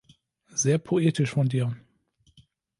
Sehr poetisch von dir.